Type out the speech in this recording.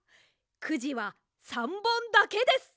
くじは３ぼんだけです。